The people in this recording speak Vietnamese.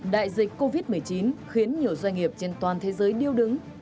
đại dịch covid một mươi chín khiến nhiều doanh nghiệp trên toàn thế giới điêu đứng